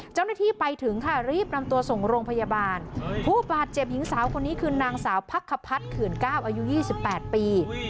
เจ้าหน้าที่ไปถึงค่ะรีบนำตัวส่งโรงพยาบาลผู้บาดเจ็บหญิงสาวคนนี้คือนางสาวพักขพัฒน์เขื่อนก้าวอายุ๒๘ปี